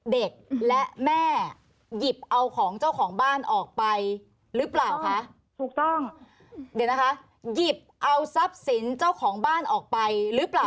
เด็กและแม่หยิบเอาของเจ้าของบ้านออกไปหรือเปล่าคะ